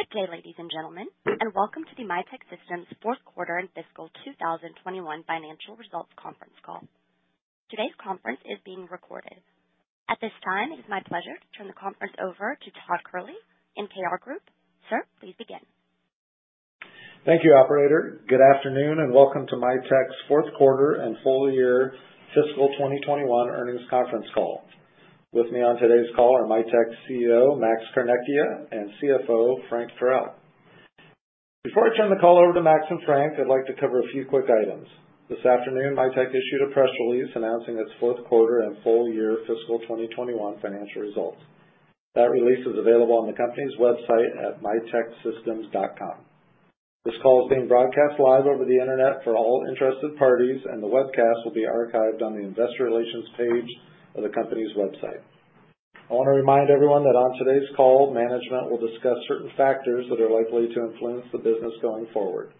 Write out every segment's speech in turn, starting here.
Good day, ladies and gentlemen, and welcome to the Mitek Systems fourth quarter and fiscal 2021 financial results conference call. Today's conference is being recorded. At this time, it is my pleasure to turn the conference over to Todd Kehrli in MKR Group. Sir, please begin. Thank you, operator. Good afternoon, and welcome to Mitek's fourth quarter and full year fiscal 2021 earnings conference call. With me on today's call are Mitek's CEO, Max Carnecchia, and CFO, Frank Teruel. Before I turn the call over to Max and Frank, I'd like to cover a few quick items. This afternoon, Mitek issued a press release announcing its fourth quarter and full year fiscal 2021 financial results. That release is available on the company's website at miteksystems.com. This call is being broadcast live over the Internet for all interested parties, and the webcast will be archived on the investor relations page of the company's website. I wanna remind everyone that on today's call, management will discuss certain factors that are likely to influence the business going forward.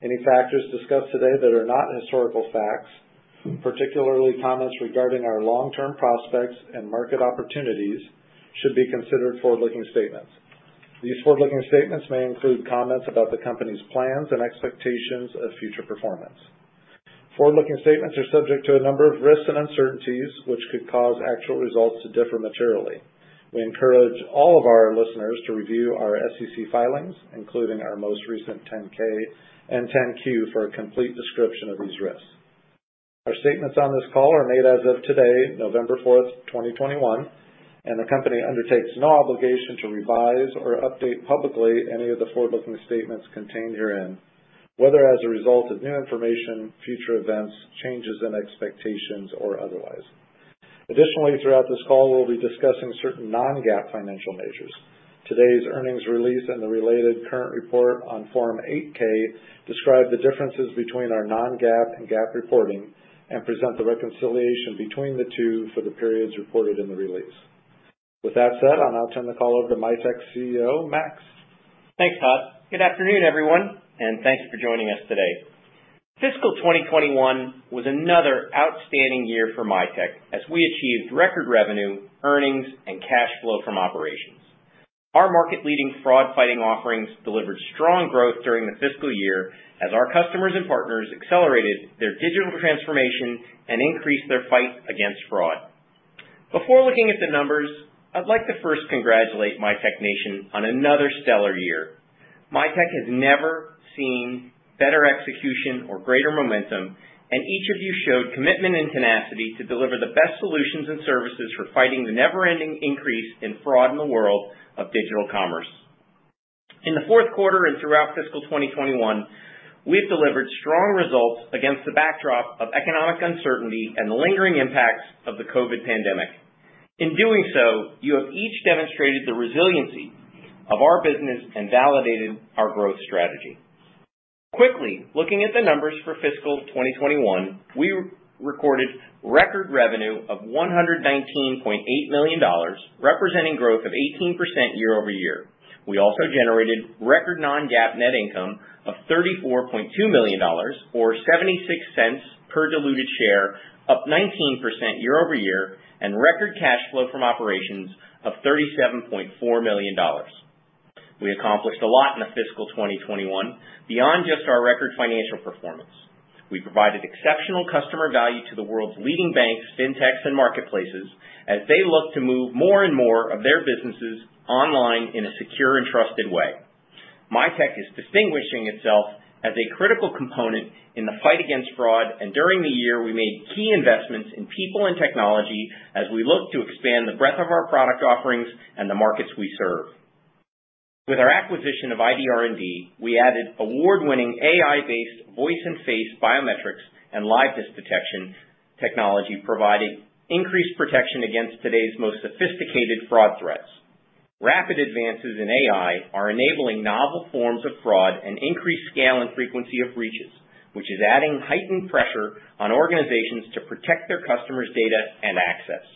Any factors discussed today that are not historical facts, particularly comments regarding our long-term prospects and market opportunities, should be considered forward-looking statements. These forward-looking statements may include comments about the company's plans and expectations of future performance. Forward-looking statements are subject to a number of risks and uncertainties, which could cause actual results to differ materially. We encourage all of our listeners to review our SEC filings, including our most recent 10-K and 10-Q, for a complete description of these risks. Our statements on this call are made as of today, November 4, 2021, and the company undertakes no obligation to revise or update publicly any of the forward-looking statements contained herein, whether as a result of new information, future events, changes in expectations, or otherwise. Additionally, throughout this call, we'll be discussing certain non-GAAP financial measures. Today's earnings release and the related current report on Form 8-K describe the differences between our non-GAAP and GAAP reporting and present the reconciliation between the two for the periods reported in the release. With that said, I'll now turn the call over to Mitek's CEO, Max. Thanks, Todd. Good afternoon, everyone, and thanks for joining us today. Fiscal 2021 was another outstanding year for Mitek as we achieved record revenue, earnings, and cash flow from operations. Our market-leading fraud-fighting offerings delivered strong growth during the fiscal year as our customers and partners accelerated their digital transformation and increased their fight against fraud. Before looking at the numbers, I'd like to first congratulate Mitek Nation on another stellar year. Mitek has never seen better execution or greater momentum, and each of you showed commitment and tenacity to deliver the best solutions and services for fighting the never-ending increase in fraud in the world of digital commerce. In the fourth quarter and throughout Fiscal 2021, we've delivered strong results against the backdrop of economic uncertainty and the lingering impacts of the COVID pandemic. In doing so, you have each demonstrated the resiliency of our business and validated our growth strategy. Quickly, looking at the numbers for fiscal 2021, we recorded record revenue of $119.8 million, representing growth of 18% year-over-year. We also generated record non-GAAP net income of $34.2 million or $0.76 per diluted share, up 19% year-over-year, and record cash flow from operations of $37.4 million. We accomplished a lot in fiscal 2021 beyond just our record financial performance. We provided exceptional customer value to the world's leading banks, fintechs, and marketplaces as they look to move more and more of their businesses online in a secure and trusted way. Mitek is distinguishing itself as a critical component in the fight against fraud, and during the year, we made key investments in people and technology as we look to expand the breadth of our product offerings and the markets we serve. With our acquisition of ID R&D, we added award-winning AI-based voice and face biometrics and liveness detection technology, providing increased protection against today's most sophisticated fraud threats. Rapid advances in AI are enabling novel forms of fraud and increased scale and frequency of breaches, which is adding heightened pressure on organizations to protect their customers' data and access.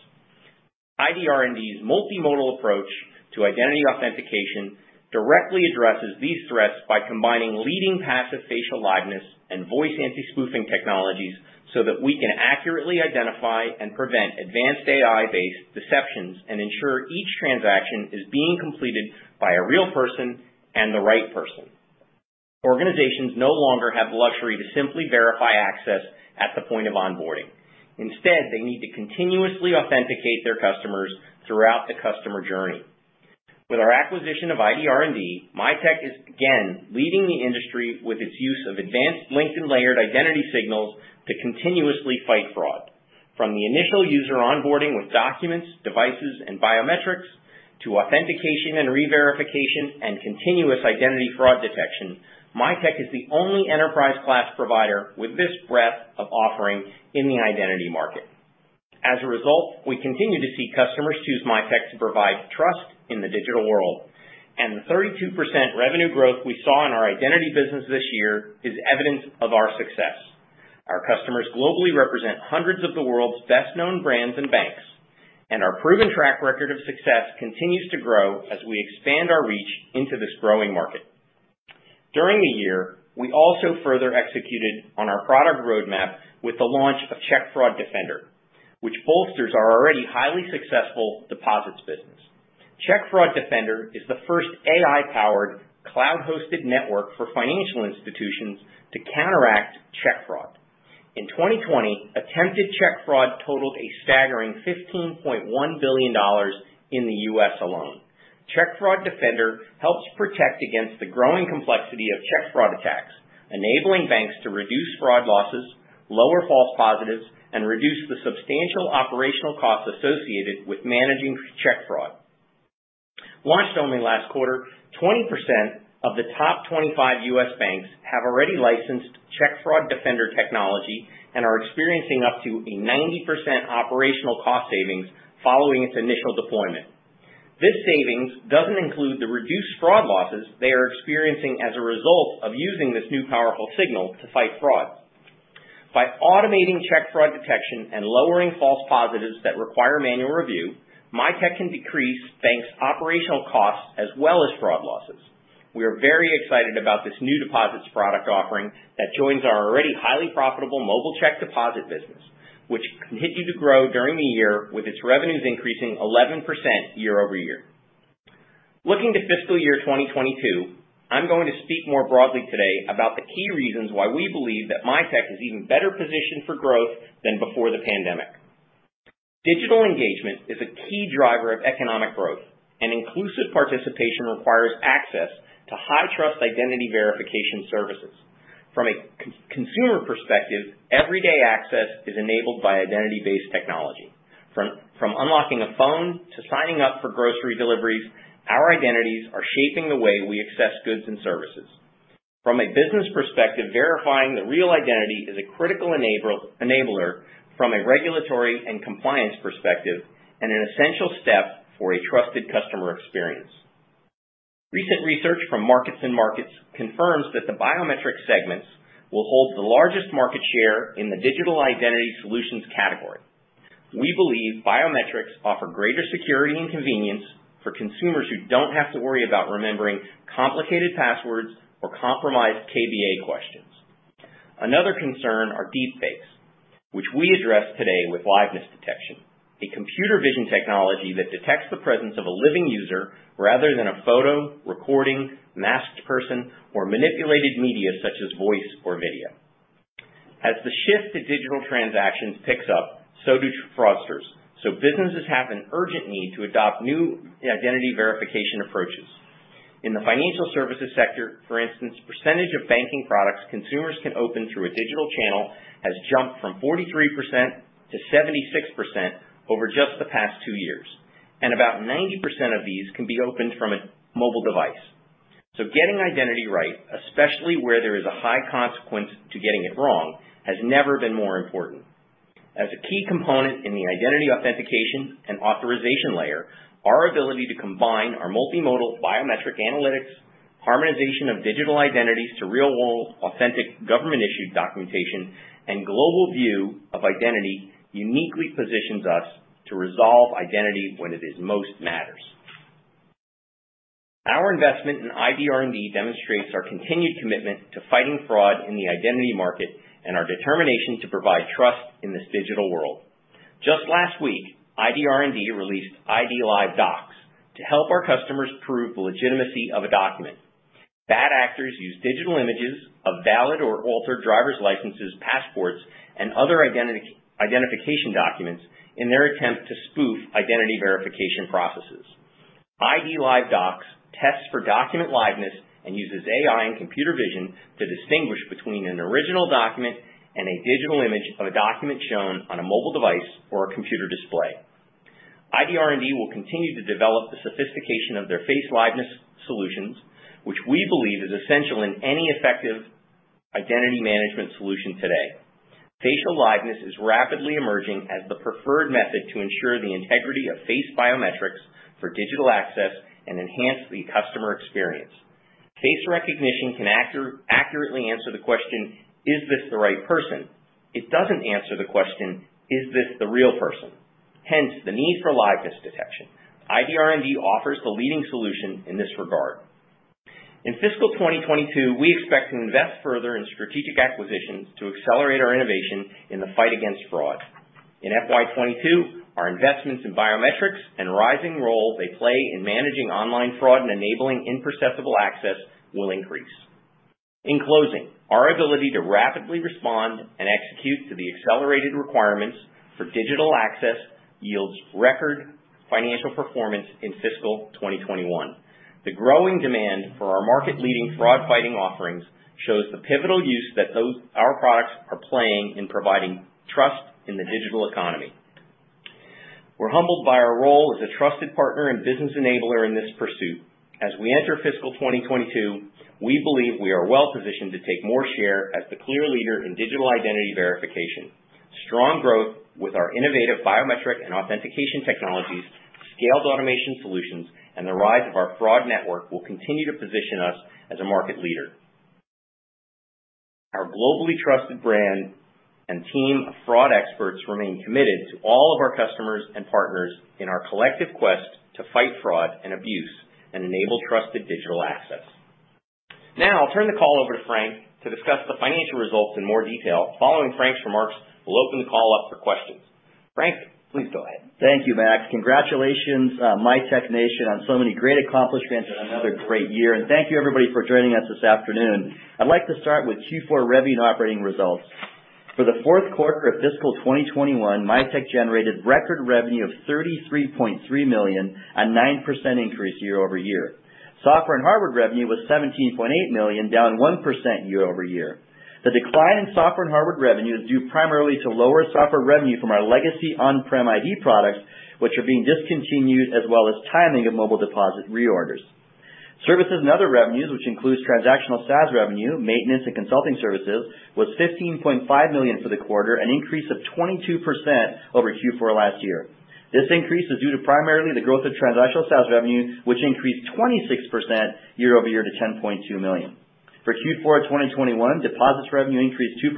ID R&D's multimodal approach to identity authentication directly addresses these threats by combining leading passive facial liveness and voice anti-spoofing technologies so that we can accurately identify and prevent advanced AI-based deceptions and ensure each transaction is being completed by a real person and the right person. Organizations no longer have the luxury to simply verify access at the point of onboarding. Instead, they need to continuously authenticate their customers throughout the customer journey. With our acquisition of ID R&D, Mitek is again leading the industry with its use of advanced linked and layered identity signals to continuously fight fraud. From the initial user onboarding with documents, devices, and biometrics to authentication and re-verification and continuous identity fraud detection, Mitek is the only enterprise-class provider with this breadth of offering in the identity market. As a result, we continue to see customers choose Mitek to provide trust in the digital world, and the 32% revenue growth we saw in our identity business this year is evidence of our success. Our customers globally represent hundreds of the world's best-known brands and banks, and our proven track record of success continues to grow as we expand our reach into this growing market. During the year, we also further executed on our product roadmap with the launch of Check Fraud Defender, which bolsters our already highly successful deposits business. Check Fraud Defender is the first AI-powered cloud-hosted network for financial institutions to counteract check fraud. In 2020, attempted check fraud totaled a staggering $15.1 billion in the U.S. alone. Check Fraud Defender helps protect against the growing complexity of check fraud attacks, enabling banks to reduce fraud losses, lower false positives, and reduce the substantial operational costs associated with managing check fraud. Launched only last quarter, 20% of the top 25 U.S. banks have already licensed Check Fraud Defender technology and are experiencing up to a 90% operational cost savings following its initial deployment. This savings doesn't include the reduced fraud losses they are experiencing as a result of using this new powerful signal to fight fraud. By automating check fraud detection and lowering false positives that require manual review, Mitek can decrease banks' operational costs as well as fraud losses. We are very excited about this new deposits product offering that joins our already highly profitable Mobile Check Deposit business, which continued to grow during the year with its revenues increasing 11% year-over-year. Looking to fiscal year 2022, I'm going to speak more broadly today about the key reasons why we believe that Mitek is even better positioned for growth than before the pandemic. Digital engagement is a key driver of economic growth, and inclusive participation requires access to high trust identity verification services. From a con-consumer perspective, everyday access is enabled by identity-based technology. From unlocking a phone to signing up for grocery deliveries, our identities are shaping the way we access goods and services. From a business perspective, verifying the real identity is a critical enabler from a regulatory and compliance perspective, and an essential step for a trusted customer experience. Recent research from MarketsandMarkets confirms that the biometric segments will hold the largest market share in the digital identity solutions category. We believe biometrics offer greater security and convenience for consumers who don't have to worry about remembering complicated passwords or compromised KBA questions. Another concern are deepfakes, which we address today with liveness detection, a computer vision technology that detects the presence of a living user rather than a photo, recording, masked person, or manipulated media such as voice or video. As the shift to digital transactions picks up, so do fraudsters, so businesses have an urgent need to adopt new identity verification approaches. In the financial services sector, for instance, percentage of banking products consumers can open through a digital channel has jumped from 43% to 76% over just the past two years, and about 90% of these can be opened from a mobile device. Getting identity right, especially where there is a high consequence to getting it wrong, has never been more important. As a key component in the identity authentication and authorization layer, our ability to combine our multimodal biometric analytics, harmonization of digital identities to real-world authentic government-issued documentation, and global view of identity uniquely positions us to resolve identity when it matters most. Our investment in ID R&D demonstrates our continued commitment to fighting fraud in the identity market and our determination to provide trust in this digital world. Just last week, ID R&D released IDLive Doc to help our customers prove the legitimacy of a document. Bad actors use digital images of valid or altered driver's licenses, passports, and other identification documents in their attempt to spoof identity verification processes. IDLive Doc tests for document liveness and uses AI and computer vision to distinguish between an original document and a digital image of a document shown on a mobile device or a computer display. ID R&D will continue to develop the sophistication of their face liveness solutions, which we believe is essential in any effective identity management solution today. Facial liveness is rapidly emerging as the preferred method to ensure the integrity of face biometrics for digital access and enhance the customer experience. Face recognition can accurately answer the question, is this the right person? It doesn't answer the question, is this the real person? Hence, the need for liveness detection. ID R&D offers the leading solution in this regard. In fiscal 2022, we expect to invest further in strategic acquisitions to accelerate our innovation in the fight against fraud. In FY 2022, our investments in biometrics and rising role they play in managing online fraud and enabling imperceptible access will increase. In closing, our ability to rapidly respond and execute to the accelerated requirements for digital access yields record financial performance in fiscal 2021. The growing demand for our market-leading fraud fighting offerings shows the pivotal use that our products are playing in providing trust in the digital economy. We're humbled by our role as a trusted partner and business enabler in this pursuit. As we enter fiscal 2022, we believe we are well-positioned to take more share as the clear leader in digital identity verification. Strong growth with our innovative biometric and authentication technologies, scaled automation solutions, and the rise of our fraud network will continue to position us as a market leader. Our globally trusted brand and team of fraud experts remain committed to all of our customers and partners in our collective quest to fight fraud and abuse and enable trusted digital access. Now I'll turn the call over to Frank to discuss the financial results in more detail. Following Frank's remarks, we'll open the call up for questions. Frank, please go ahead. Thank you, Max. Congratulations, Mitek Nation on so many great accomplishments and another great year. Thank you everybody for joining us this afternoon. I'd like to start with Q4 revenue and operating results. For the fourth quarter of fiscal 2021, Mitek generated record revenue of $33.3 million, a 9% increase year-over-year. Software and hardware revenue was $17.8 million, down 1% year-over-year. The decline in software and hardware revenue is due primarily to lower software revenue from our legacy on-prem ID products, which are being discontinued, as well as timing of mobile deposit reorders. Services and other revenues, which includes transactional SaaS revenue, maintenance and consulting services, was $15.5 million for the quarter, an increase of 22% over Q4 last year. This increase was due to primarily the growth of transactional SaaS revenue, which increased 26% year-over-year to $10.2 million. For Q4 of 2021, deposits revenue increased 2%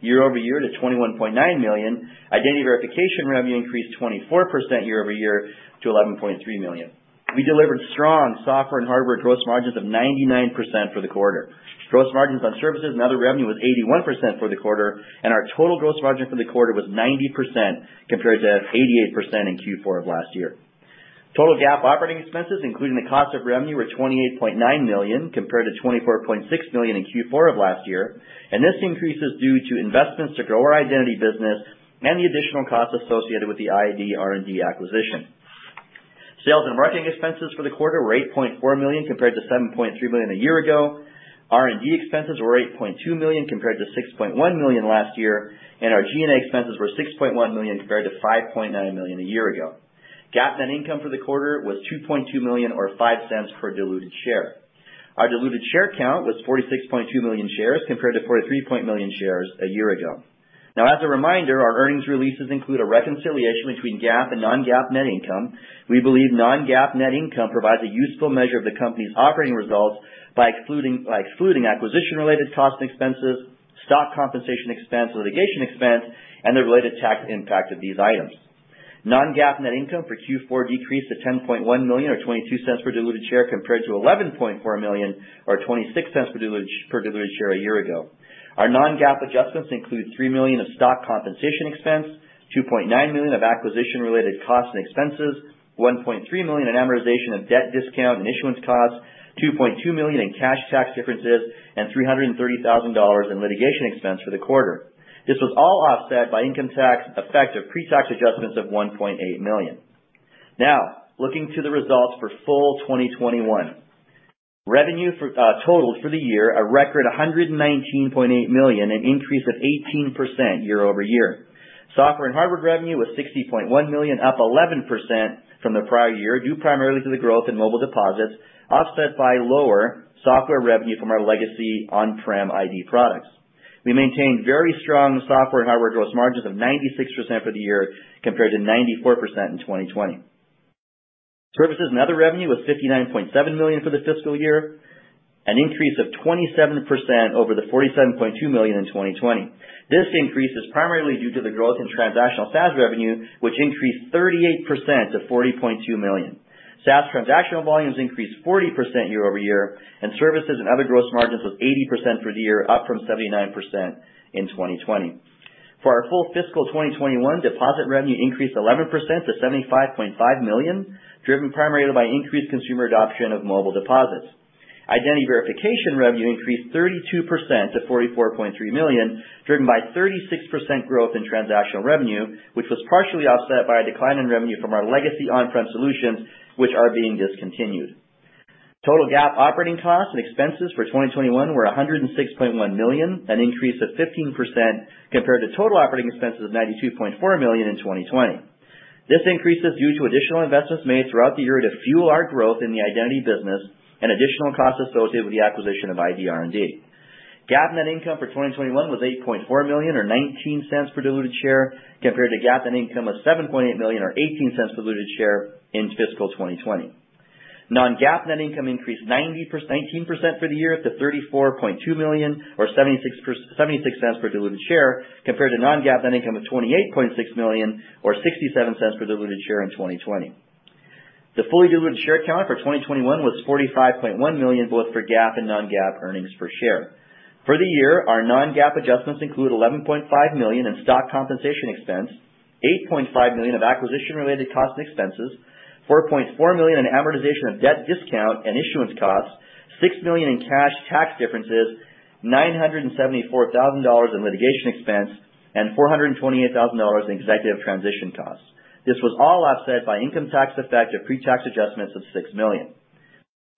year-over-year to $21.9 million. Identity verification revenue increased 24% year-over-year to $11.3 million. We delivered strong software and hardware gross margins of 99% for the quarter. Gross margins on services and other revenue was 81% for the quarter, and our total gross margin for the quarter was 90% compared to 88% in Q4 of last year. Total GAAP operating expenses, including the cost of revenue, were $28.9 million compared to $24.6 million in Q4 of last year. This increase is due to investments to grow our identity business and the additional costs associated with the ID R&D acquisition. Sales and marketing expenses for the quarter were $8.4 million compared to $7.3 million a year ago. R&D expenses were $8.2 million compared to $6.1 million last year. Our G&A expenses were $6.1 million compared to $5.9 million a year ago. GAAP net income for the quarter was $2.2 million or $0.05 per diluted share. Our diluted share count was 46.2 million shares compared to 43.0 million shares a year ago. Now as a reminder, our earnings releases include a reconciliation between GAAP and non-GAAP net income. We believe non-GAAP net income provides a useful measure of the company's operating results by excluding acquisition-related costs and expenses, stock compensation expense, litigation expense, and the related tax impact of these items. Non-GAAP net income for Q4 decreased to $10.1 million or $0.22 per diluted share compared to $11.4 million or $0.26 per diluted share a year ago. Our non-GAAP adjustments include $3 million of stock compensation expense, $2.9 million of acquisition-related costs and expenses, $1.3 million in amortization of debt discount and issuance costs, $2.2 million in cash tax differences, and $330,000 in litigation expense for the quarter. This was all offset by income tax effect of pre-tax adjustments of $1.8 million. Now, looking to the results for full 2021. Revenue totaled $119.8 million for the year, a record, an increase of 18% year-over-year. Software and hardware revenue was $60.1 million, up 11% from the prior year, due primarily to the growth in mobile deposits, offset by lower software revenue from our legacy on-prem ID products. We maintained very strong software and hardware gross margins of 96% for the year compared to 94% in 2020. Services and other revenue was $59.7 million for the fiscal year, an increase of 27% over the $47.2 million in 2020. This increase is primarily due to the growth in transactional SaaS revenue, which increased 38% to $40.2 million. SaaS transactional volumes increased 40% year-over-year, and services and other gross margins was 80% for the year, up from 79% in 2020. For our full fiscal 2021, deposit revenue increased 11% to $75.5 million, driven primarily by increased consumer adoption of mobile deposits. Identity verification revenue increased 32% to $44.3 million, driven by 36% growth in transactional revenue, which was partially offset by a decline in revenue from our legacy on-prem solutions, which are being discontinued. Total GAAP operating costs and expenses for 2021 were $106.1 million, an increase of 15% compared to total operating expenses of $92.4 million in 2020. This increase is due to additional investments made throughout the year to fuel our growth in the identity business and additional costs associated with the acquisition of ID R&D. GAAP net income for 2021 was $8.4 million or $0.19 per diluted share, compared to GAAP net income of $7.8 million or $0.18 per diluted share in fiscal 2020. Non-GAAP net income increased 19% for the year to $34.2 million or $0.76 per diluted share, compared to non-GAAP net income of $28.6 million or $0.67 per diluted share in 2020. The fully diluted share count for 2021 was 45.1 million, both for GAAP and non-GAAP earnings per share. For the year, our non-GAAP adjustments include $11.5 million in stock compensation expense, $8.5 million of acquisition-related costs and expenses, $4.4 million in amortization of debt discount and issuance costs, $6 million in cash tax differences, $974,000 in litigation expense, and $428,000 in executive transition costs. This was all offset by income tax effect of pre-tax adjustments of $6 million.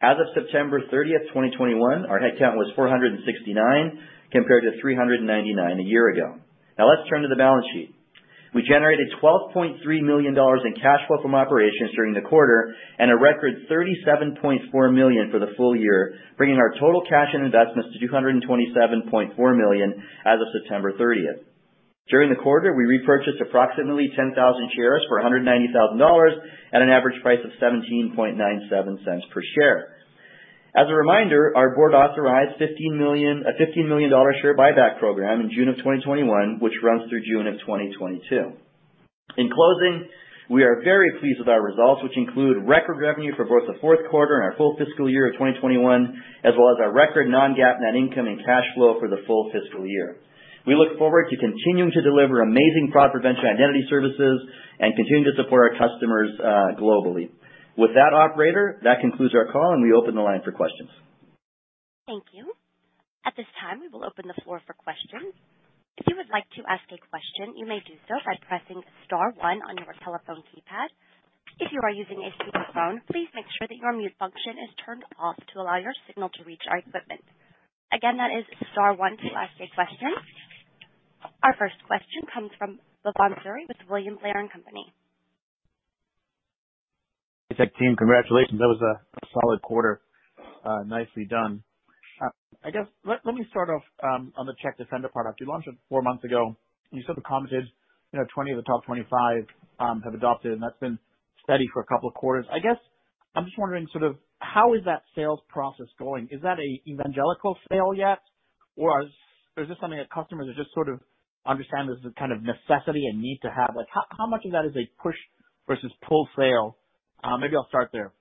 As of September 30, 2021, our headcount was 469, compared to 399 a year ago. Now let's turn to the balance sheet. We generated $12.3 million in cash flow from operations during the quarter and a record $37.4 million for the full year, bringing our total cash and investments to $227.4 million as of September 30. During the quarter, we repurchased approximately 10,000 shares for $190,000 at an average price of $0.1797 per share. As a reminder, our board authorized a $15 million share buyback program in June 2021, which runs through June 2022. In closing, we are very pleased with our results, which include record revenue for both the fourth quarter and our full fiscal year 2021, as well as our record non-GAAP net income and cash flow for the full fiscal year. We look forward to continuing to deliver amazing fraud prevention identity services and continue to support our customers, globally. With that, operator, that concludes our call, and we open the line for questions. Thank you. At this time, we will open the floor for questions. If you would like to ask a question, you may do so by pressing star one on your telephone keypad. If you are using a speakerphone, please make sure that your mute function is turned off to allow your signal to reach our equipment. Again, that is star one to ask a question. Our first question comes from Bhavan Suri with William Blair & Company. Hey, tech team. Congratulations. That was a solid quarter. Nicely done. I guess let me start off on the Check Fraud Defender product. You launched it four months ago. You said you commented, you know, 20 of the top 25 have adopted, and that's been steady for a couple of quarters. I guess I'm just wondering sort of how is that sales process going? Is that a evangelical sale yet, or is this something that customers are just sort of understand as a kind of necessity and need to have? Like how much of that is a push versus pull sale? Maybe I'll start there.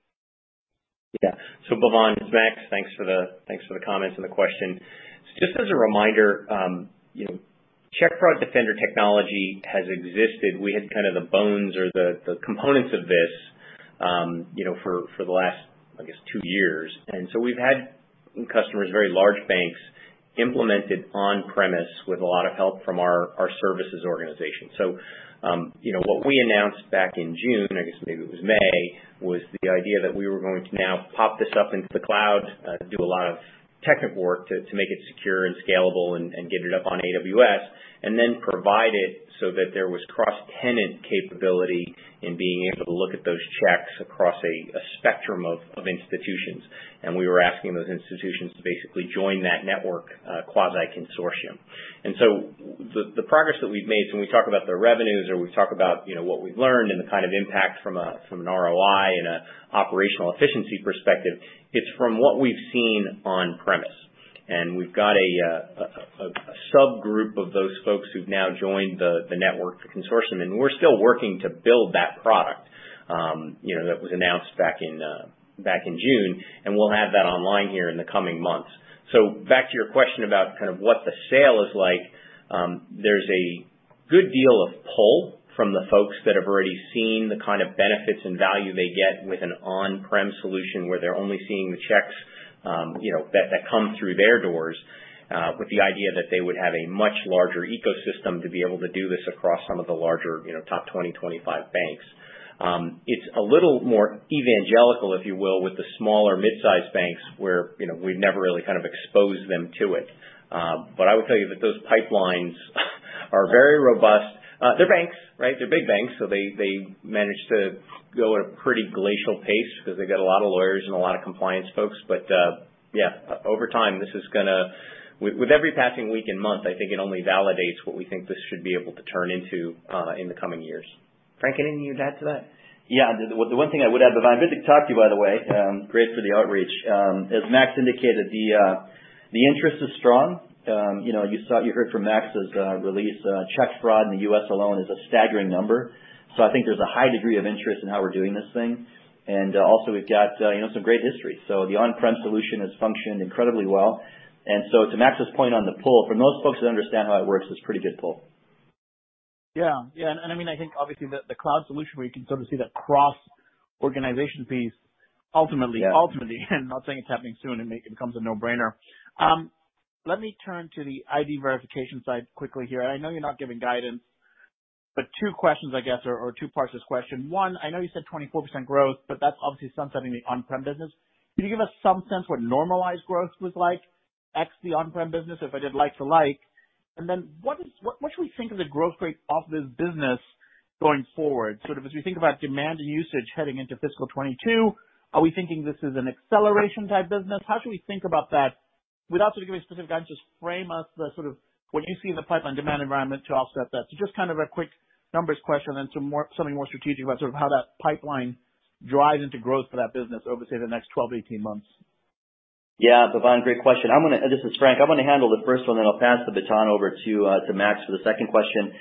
Yeah. Bhavan, it's Max. Thanks for the comments and the question. Just as a reminder, you know, Check Fraud Defender technology has existed. We had kind of the bones or the components of this, you know, for the last, I guess, two years. We've had customers, very large banks, implement it on premise with a lot of help from our services organization. You know what we announced back in June, I guess maybe it was May, was the idea that we were going to now pop this up into the cloud, do a lot of technical work to make it secure and scalable and get it up on AWS, and then provide it so that there was cross-tenant capability in being able to look at those checks across a spectrum of institutions. We were asking those institutions to basically join that network, quasi-consortium. The progress that we've made when we talk about the revenues or we talk about, you know, what we've learned and the kind of impact from an ROI and operational efficiency perspective, it's from what we've seen on premise. We've got a subgroup of those folks who've now joined the network consortium, and we're still working to build that product, you know, that was announced back in June, and we'll have that online here in the coming months. Back to your question about kind of what the sale is like, there's a good deal of pull from the folks that have already seen the kind of benefits and value they get with an on-prem solution where they're only seeing the checks, you know, that come through their doors, with the idea that they would have a much larger ecosystem to be able to do this across some of the larger, you know, top 20, 25 banks. It's a little more evangelical, if you will, with the smaller mid-sized banks where, you know, we've never really kind of exposed them to it. But I will tell you that those pipelines are very robust. They're banks, right? They're big banks, so they manage to go at a pretty glacial pace because they've got a lot of lawyers and a lot of compliance folks. Yeah, over time, with every passing week and month, I think it only validates what we think this should be able to turn into in the coming years. Frank, anything to add to that? Yeah. The one thing I would add, Bhavan, good to talk to you, by the way, great for the outreach. As Max indicated, the interest is strong. You know, you heard from Max's release, check fraud in the U.S. alone is a staggering number. I think there's a high degree of interest in how we're doing this thing. Also we've got, you know, some great history. The on-prem solution has functioned incredibly well. To Max's point on the pull, for most folks that understand how it works, it's pretty good pull. Yeah. Yeah, and I mean, I think obviously the cloud solution where you can sort of see that cross-organization piece ultimately. Yeah. Ultimately, I'm not saying it's happening soon. It becomes a no-brainer. Let me turn to the ID verification side quickly here. I know you're not giving guidance, but two questions I guess, or two parts to this question. One, I know you said 24% growth, but that's obviously sunsetting the on-prem business. Can you give us some sense what normalized growth was like, ex the on-prem business like to like? And then what should we think of the growth rate of this business going forward? Sort of as we think about demand usage heading into fiscal 2022, are we thinking this is an acceleration type business? How should we think about that? Without sort of giving specific guidance, just frame us the sort of what you see in the pipeline demand environment to offset that. Just kind of a quick numbers question and something more strategic about sort of how that pipeline drives into growth for that business over, say, the next 12 months-18 months. Yeah. Bhavan, great question. This is Frank. I'm gonna handle the first one, then I'll pass the baton over to Max for the second question.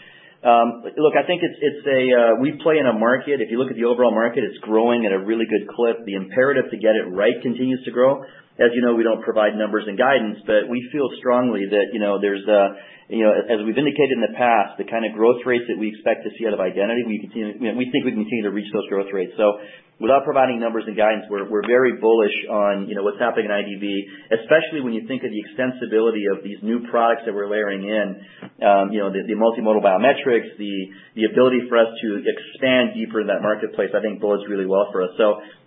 Look, I think it's a we play in a market, if you look at the overall market, it's growing at a really good clip. The imperative to get it right continues to grow. As you know, we don't provide numbers and guidance, but we feel strongly that, you know, there's a, you know, as we've indicated in the past, the kinda growth rates that we expect to see out of identity, we continue, you know, we think we can continue to reach those growth rates. Without providing numbers and guidance, we're very bullish on, you know, what's happening in IDV, especially when you think of the extensibility of these new products that we're layering in. You know, the multimodal biometrics, the ability for us to expand deeper in that marketplace, I think bodes really well for us.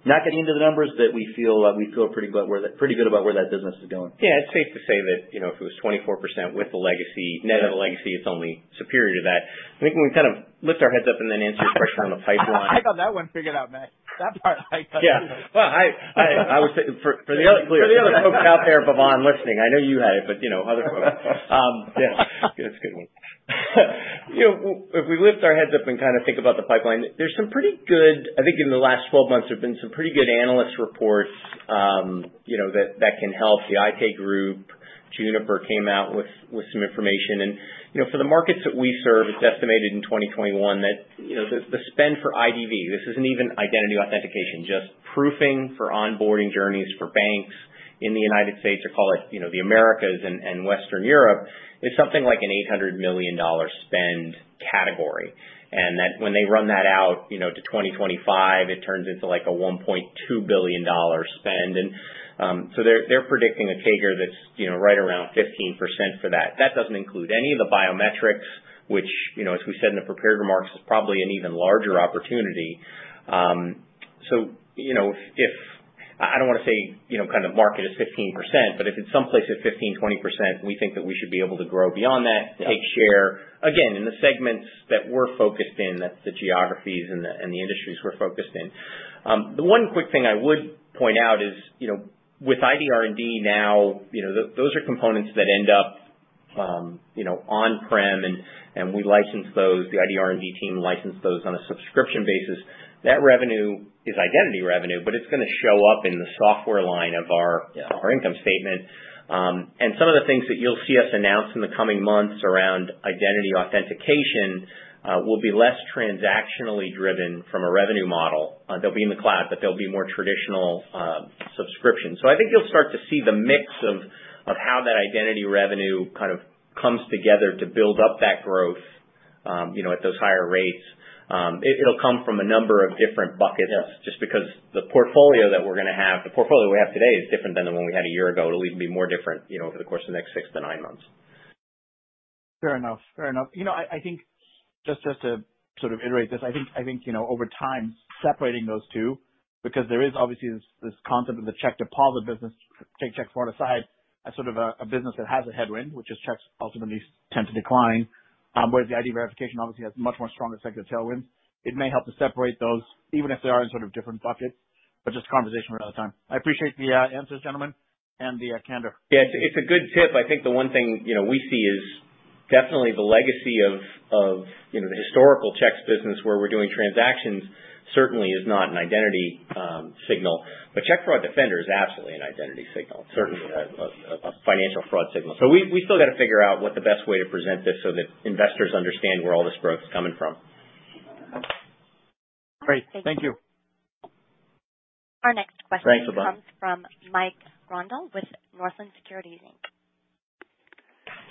Not getting into the numbers, but we feel pretty good about where that business is going. Yeah, it's safe to say that, you know, if it was 24% with the legacy- Yeah. Net of the legacy, it's only superior to that. I think we can kind of lift our heads up and then answer your question on the pipeline. I got that one figured out, Max. That part I got figured out. Yeah. Well, I was saying for the other folks out there beyond listening, I know you had it, but you know, other folks. Yeah. That's a good one. You know, if we lift our heads up and kind of think about the pipeline, there's some pretty good. I think in the last 12 months, there've been some pretty good analyst reports, you know, that can help the Mitek group. Juniper came out with some information. You know, for the markets that we serve, it's estimated in 2021 that, you know, the spend for IDV, this isn't even identity authentication, just proofing for onboarding journeys for banks in the U.S. or call it, you know, the Americas and Western Europe, is something like a $800 million spend category. That when they run that out, you know, to 2025, it turns into like a $1.2 billion spend. So they're predicting a take here that's, you know, right around 15% for that. That doesn't include any of the biometrics, which, you know, as we said in the prepared remarks, is probably an even larger opportunity. So, you know, if I don't wanna say, you know, kind of market is 15%, but if it's someplace of 15%-20%, we think that we should be able to grow beyond that. Yeah. Take share, again, in the segments that we're focused in, the geographies and the industries we're focused in. The one quick thing I would point out is, you know, with ID R&D now, you know, those are components that end up, you know, on-prem and we license those. The ID R&D team license those on a subscription basis. That revenue is identity revenue, but it's gonna show up in the software line of our- Yeah. Our income statement. Some of the things that you'll see us announce in the coming months around identity authentication will be less transactionally driven from a revenue model. They'll be in the cloud, but they'll be more traditional subscription. I think you'll start to see the mix of how that identity revenue kind of comes together to build up that growth, you know, at those higher rates. It'll come from a number of different buckets. Yeah. Just because the portfolio that we're gonna have, the portfolio we have today is different than the one we had a year ago. It'll even be more different, you know, over the course of the next six to nine months. Fair enough. You know, I think just to sort of iterate this, I think you know over time, separating those two, because there is obviously this concept of the check deposit business, take check fraud aside, as sort of a business that has a headwind, which is checks ultimately tend to decline, whereas the ID verification obviously has much more stronger sector tailwinds. It may help to separate those, even if they are in sort of different buckets, but just conversation for another time. I appreciate the answers, gentlemen, and the candor. Yeah. It's a good tip. I think the one thing, you know, we see is definitely the legacy of, you know, the historical checks business where we're doing transactions certainly is not an identity signal. But Check Fraud Defender is absolutely an identity signal. Mm-hmm. Certainly a financial fraud signal. We still gotta figure out what the best way to present this so that investors understand where all this growth is coming from. Great. Thank you. Our next question. Thanks, Bhavan. comes from Mike Grondahl with Northland Securities, Inc.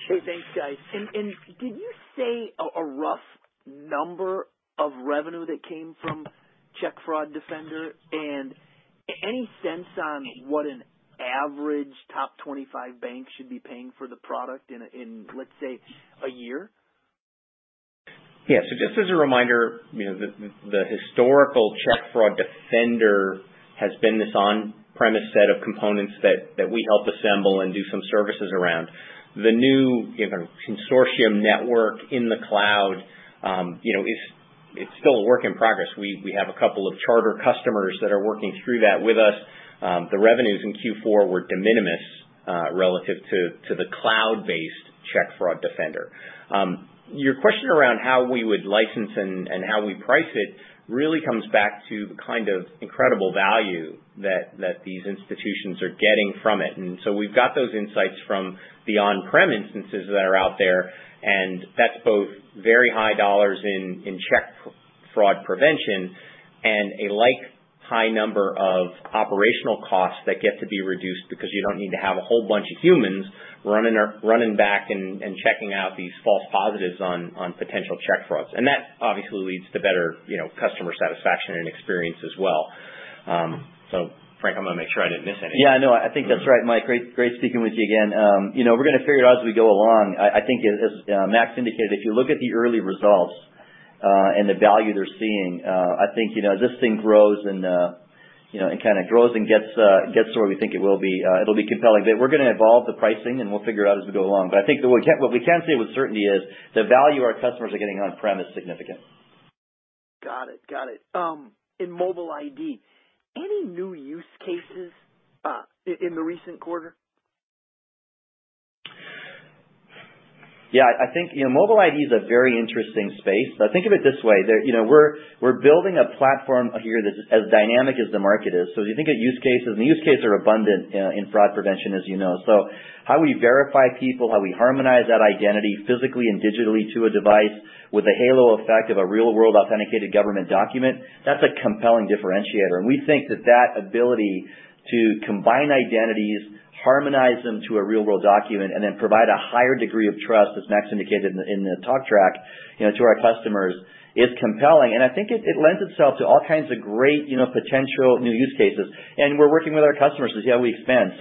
Sure. Thanks, guys. Did you say a rough number of revenue that came from Check Fraud Defender? Any sense on what an average top 25 banks should be paying for the product in, let's say, a year? Yeah. Just as a reminder, you know, the historical Check Fraud Defender has been this on-premise set of components that we help assemble and do some services around. The new, you know, consortium network in the cloud is still a work in progress. We have a couple of charter customers that are working through that with us. The revenues in Q4 were de minimis relative to the cloud-based Check Fraud Defender. Your question around how we would license and how we price it really comes back to the kind of incredible value that these institutions are getting from it. We've got those insights from the on-prem instances that are out there, and that's both very high dollars in check fraud prevention and a like high number of operational costs that get to be reduced because you don't need to have a whole bunch of humans running back and checking out these false positives on potential check frauds. That obviously leads to better, you know, customer satisfaction and experience as well. Frank, I'm gonna make sure I didn't miss anything. Yeah, no, I think that's right, Mike. Great speaking with you again. You know, we're gonna figure it out as we go along. I think as Max indicated, if you look at the early results and the value they're seeing, I think you know as this thing grows and you know it kinda grows and gets to where we think it will be, it'll be compelling. We're gonna evolve the pricing, and we'll figure it out as we go along. I think that what we can say with certainty is the value our customers are getting on-prem is significant. Got it. In mobile ID, any new use cases in the recent quarter? Yeah. I think, you know, mobile ID is a very interesting space. Now think of it this way, you know, we're building a platform here that's as dynamic as the market is. If you think of use cases, and use cases are abundant in fraud prevention, as you know. How we verify people, how we harmonize that identity physically and digitally to a device with the halo effect of a real world authenticated government document, that's a compelling differentiator. We think that ability to combine identities, harmonize them to a real world document, and then provide a higher degree of trust, as Max indicated in the talk track, you know, to our customers, is compelling. I think it lends itself to all kinds of great, you know, potential new use cases. We're working with our customers to see how we expand.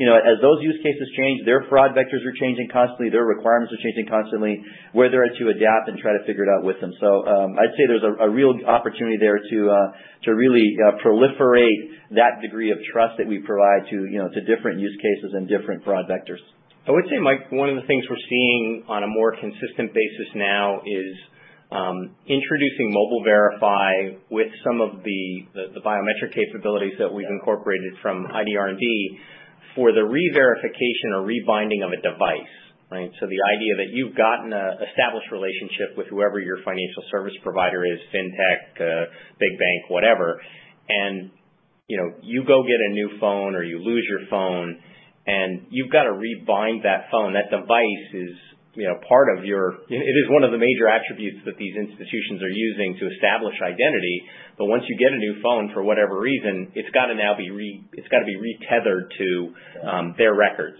You know, as those use cases change, their fraud vectors are changing constantly, their requirements are changing constantly. We're there to adapt and try to figure it out with them. I'd say there's a real opportunity there to really proliferate that degree of trust that we provide to, you know, to different use cases and different fraud vectors. I would say, Mike, one of the things we're seeing on a more consistent basis now is introducing Mobile Verify with some of the biometric capabilities that we've incorporated from ID R&D for the re-verification or rebinding of a device, right? The idea that you've gotten an established relationship with whoever your financial service provider is, fintech, big bank, whatever, and you know you go get a new phone or you lose your phone and you've got to rebind that phone. That device is you know one of the major attributes that these institutions are using to establish identity. Once you get a new phone, for whatever reason, it's got to be retethered to their records.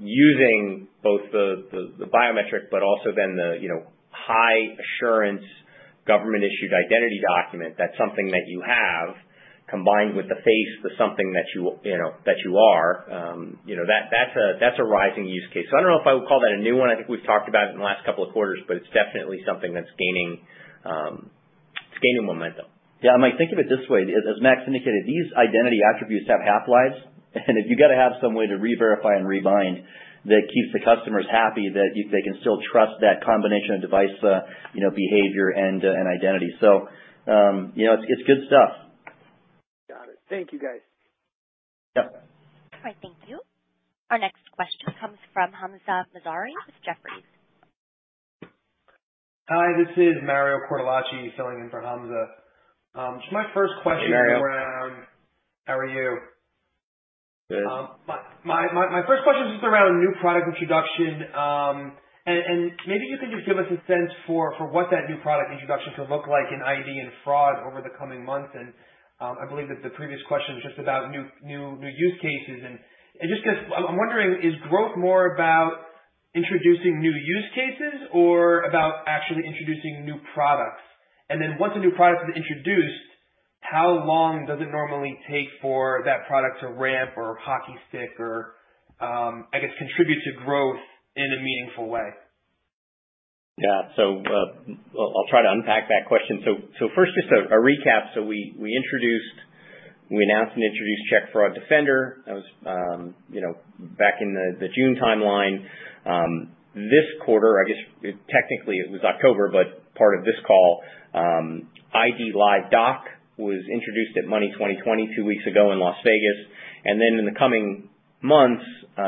Using both the biometric, but also then the you know high assurance government-issued identity document, that's something that you have combined with the face for something that you know that you are. You know, that's a rising use case. I don't know if I would call that a new one. I think we've talked about it in the last couple of quarters, but it's definitely something that's gaining momentum. Yeah. I might think of it this way. As Max indicated, these identity attributes have half-lives, and you've got to have some way to re-verify and rebind that keeps the customers happy, that they can still trust that combination of device, you know, behavior and identity. You know, it's good stuff. Got it. Thank you, guys. Yeah. All right. Thank you. Our next question comes from Hamzah Mazari with Jefferies. Hi, this is Mario Cortellacci filling in for Hamzah. My first question is around- Hey, Mario. How are you? Good. My first question is just around new product introduction, and maybe you can just give us a sense for what that new product introduction could look like in ID and fraud over the coming months. I believe that the previous question is just about new use cases. Just because I'm wondering, is growth more about introducing new use cases or about actually introducing new products? Once a new product is introduced, how long does it normally take for that product to ramp or hockey stick or, I guess, contribute to growth in a meaningful way? Yeah, I'll try to unpack that question. First, just a recap. We announced and introduced Check Fraud Defender. That was, you know, back in the June timeline. This quarter, I guess technically it was October, but part of this quarter, IDLive Doc was introduced at Money20/20 two weeks ago in Las Vegas. In the coming months,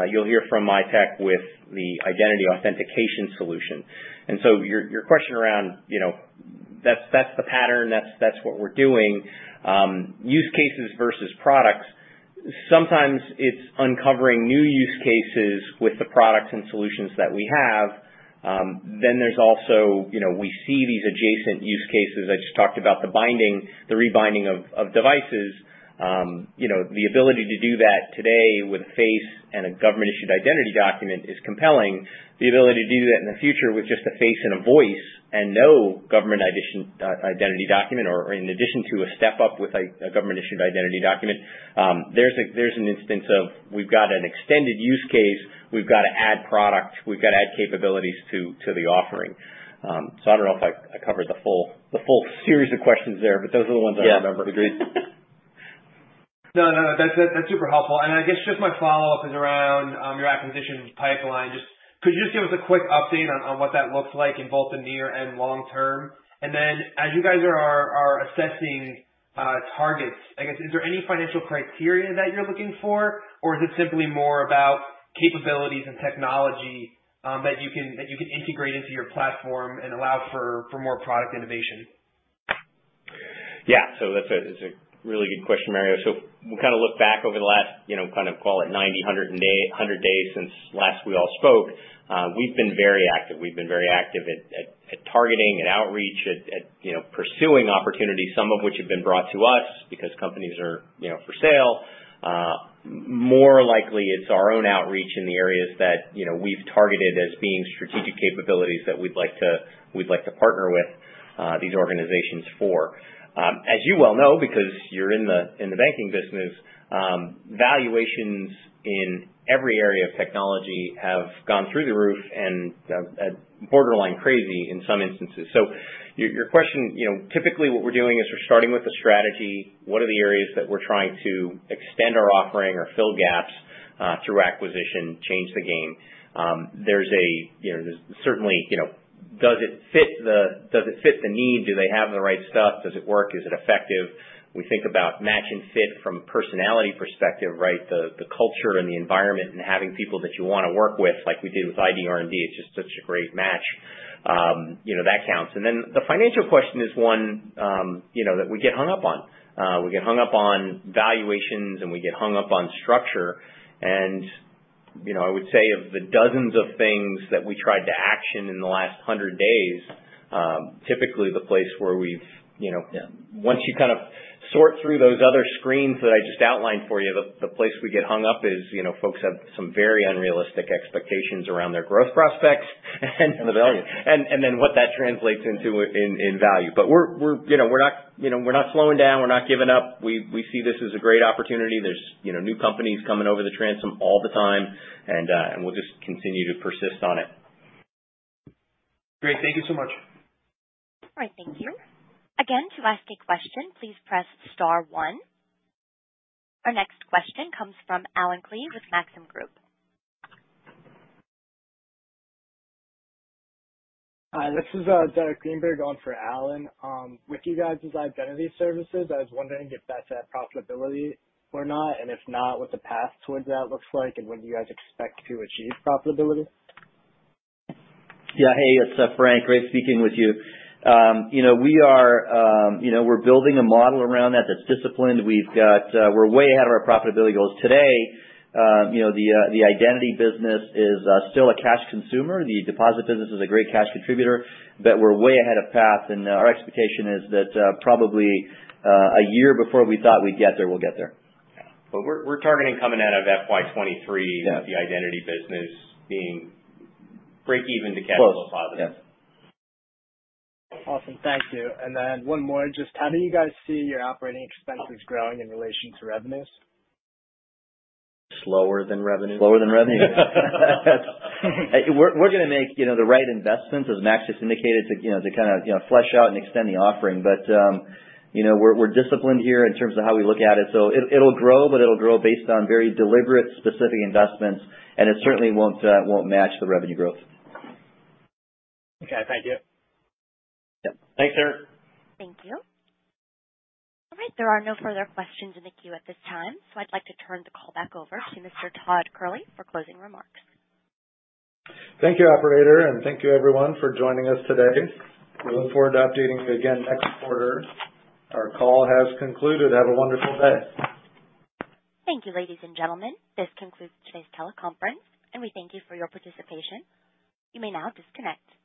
you'll hear from Mitek with the identity authentication solution. Your question around, you know, that's the pattern. That's what we're doing. Use cases versus products. Sometimes it's uncovering new use cases with the products and solutions that we have. There's also, you know, we see these adjacent use cases. I just talked about the binding, the rebinding of devices. You know, the ability to do that today with a face and a government-issued identity document is compelling. The ability to do that in the future with just a face and a voice and no government identity document or in addition to a step up with a government-issued identity document, there's an instance of we've got an extended use case, we've got to add product, we've got to add capabilities to the offering. I don't know if I covered the full series of questions there, but those are the ones I remember. Yeah. Agreed. No, no. That's super helpful. I guess just my follow-up is around your acquisition pipeline. Just could you just give us a quick update on what that looks like in both the near and long term? Then as you guys are assessing targets, I guess, is there any financial criteria that you're looking for? Or is it simply more about capabilities and technology that you can integrate into your platform and allow for more product innovation? Yeah. That's a really good question, Mario. We'll kind of look back over the last, you know, kind of call it 90, 100 days since last we all spoke. We've been very active at targeting and outreach, at you know, pursuing opportunities, some of which have been brought to us because companies are you know, for sale. More likely it's our own outreach in the areas that you know, we've targeted as being strategic capabilities that we'd like to partner with these organizations for. As you well know, because you're in the banking business, valuations in every area of technology have gone through the roof and borderline crazy in some instances. Your question, you know, typically what we're doing is we're starting with a strategy. What are the areas that we're trying to extend our offering or fill gaps through acquisition, change the game? There's certainly, you know, does it fit the need? Do they have the right stuff? Does it work? Is it effective? We think about match and fit from a personality perspective, right? The culture and the environment and having people that you wanna work with, like we did with ID R&D, it's just such a great match. You know, that counts. Then the financial question is one, you know, that we get hung up on. We get hung up on valuations, and we get hung up on structure. You know, I would say of the dozens of things that we tried to action in the last 100 days, typically the place where we've you know, once you kind of sort through those other screens that I just outlined for you, the place we get hung up is, you know, folks have some very unrealistic expectations around their growth prospects and the value. Then what that translates into in value. We're not slowing down. We're not giving up. We see this as a great opportunity. There's you know, new companies coming over the transom all the time, and we'll just continue to persist on it. Great. Thank you so much. All right, thank you. Again, to ask a question, please press star one. Our next question comes from Allen Klee with Maxim Group. Hi, this is Derek Greenberg on for Allen. With you guys' identity services, I was wondering if that's at profitability or not, and if not, what the path towards that looks like, and when do you guys expect to achieve profitability? Yeah. Hey, it's Frank. Great speaking with you. You know, we're building a model around that that's disciplined. We're way ahead of our profitability goals today. You know, the identity business is still a cash consumer. The deposit business is a great cash contributor, but we're way ahead of plan and our expectation is that probably a year before we thought we'd get there, we'll get there. We're targeting coming out of FY 2023 Yeah. the identity business being breakeven to capital positive. Close. Yeah. Awesome. Thank you. One more. Just how do you guys see your operating expenses growing in relation to revenues? Slower than revenue. Slower than revenue. We're gonna make, you know, the right investments, as Max just indicated, to you know kinda flesh out and extend the offering. You know, we're disciplined here in terms of how we look at it. It'll grow, but it'll grow based on very deliberate, specific investments, and it certainly won't match the revenue growth. Okay, thank you. Yep. Thanks, Derek. Thank you. All right. There are no further questions in the queue at this time, so I'd like to turn the call back over to Mr. Todd Kehrli for closing remarks. Thank you, operator, and thank you everyone for joining us today. We look forward to updating you again next quarter. Our call has concluded. Have a wonderful day. Thank you, ladies and gentlemen. This concludes today's teleconference, and we thank you for your participation. You may now disconnect.